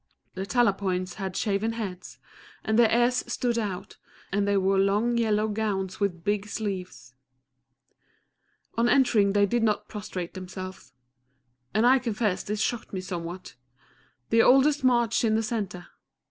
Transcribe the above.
The Talapoins had shaven heads, and their ears stood out, and they wore long yellow gowns with big sleeves. On entering they did not prostrate themselves and I confess this shocked me somewhat! The oldest marched in the centre.